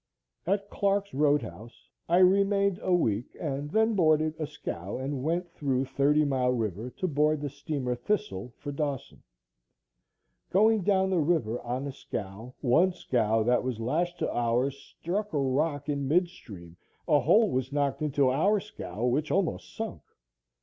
At Clark's road house, I remained a week and then boarded a scow and went through Thirty Mile river to board the steamer Thistle for Dawson. Going down the river on a scow, one scow that was lashed to ours, struck a rock in midstream, a hole was knocked into our scow, which almost sunk.